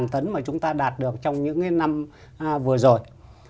sáu mươi tấn mà chúng ta đạt được trong những cái năm vừa rồi